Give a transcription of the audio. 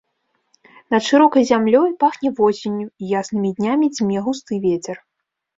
Над шырокай зямлёй пахне восенню, і яснымі днямі дзьме густы вецер.